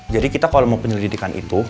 jadi kita kalau mau penyelidikan itu